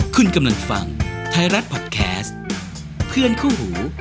คุณกำลังฟังไทยรัฐพอดแคสต์เพื่อนคู่หู